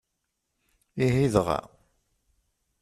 Ihi dɣa!